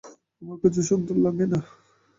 আমার কাছে সুন্দর লাগে না।